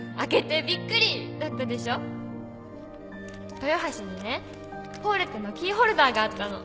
「豊橋にねポーレットのキーホルダーがあったの」